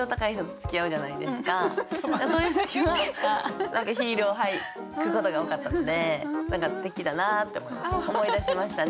そういう時はヒールを履くことが多かったのですてきだなって思いました。